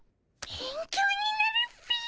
勉強になるっピィ。